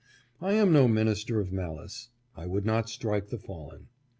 "I am no minister of malice. I would not strike the fallen.